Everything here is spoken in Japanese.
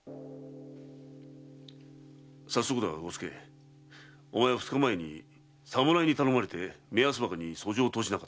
さっそくだが伍助お前は二日前に侍に頼まれて目安箱に訴状を投じなかったか？